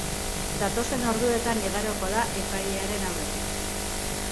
Datozen orduetan igaroko da epailearen aurretik.